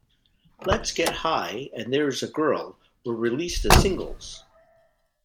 "Let's Get High" and "There is a Girl" were released as singles.